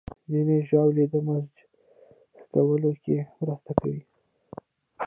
ځینې ژاولې د مزاج ښه کولو کې مرسته کوي.